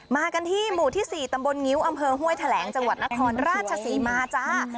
มากันที่หมู่ที่๔ตำบลงิ้วอำเภอห้วยแถลงจังหวัดนครราชศรีมาจ้า